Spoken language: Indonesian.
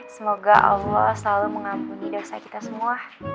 semoga allah selalu mengampuni dosa kita semua